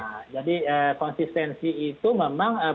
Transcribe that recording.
nah jadi konsistensi itu memang